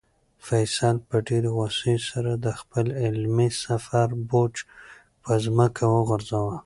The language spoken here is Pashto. فیصل په ډېرې غوسې سره د خپل علمي سفر بوج په ځمکه وغورځاوه.